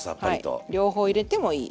はい両方入れてもいい。